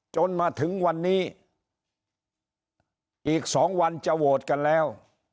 จนมาถึงวันนี้อีก๒วันจะโหวตกันแล้ว